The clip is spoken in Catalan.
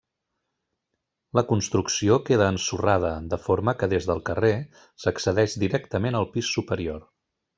La construcció queda ensorrada, de forma que des del carrer s'accedeix directament al pis superior.